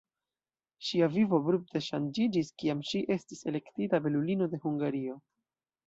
Ŝia vivo abrupte ŝanĝiĝis, kiam ŝi estis elektita "belulino de Hungario".